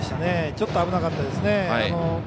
ちょっと危なかったですね。